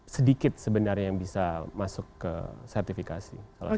sedikit sebenarnya yang bisa masuk ke sertifikasi